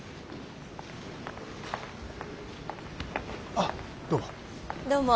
あっどうも。